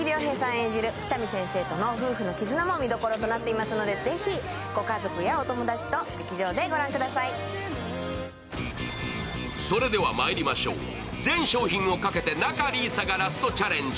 演じる喜多見先生との夫婦の絆も見どころとなっていますので、ぜひご家族やお友達とそれではまいりましょう、全商品をかけて仲里依紗がラストチャレンジ。